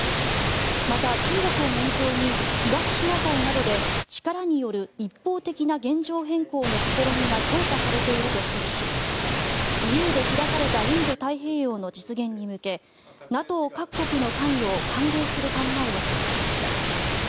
また、中国を念頭に東シナ海などで力による一方的な現状変更の試みが強化されていると指摘し自由で開かれたインド太平洋の実現に向けＮＡＴＯ各国の関与を歓迎する考えを示しました。